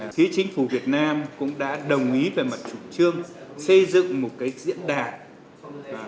thứ chính phủ việt nam cũng đã đồng ý về mặt chủ trương xây dựng một cái diễn đạt